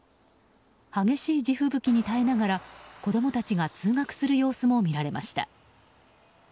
激しい地吹雪に耐えながら子供たちが通学する様子も見られました。